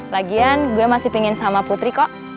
lagian gue masih pengen sama putri kok